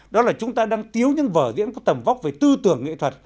đó là chúng ta đang tiếu những vở diễn có tầm vóc về tư tưởng nghệ thuật